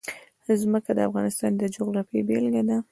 ځمکه د افغانستان د جغرافیې بېلګه ده.